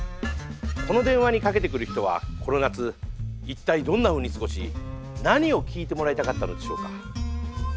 この電話にかけてくる人はこの夏一体どんなふうに過ごし何を聞いてもらいたかったのでしょうか。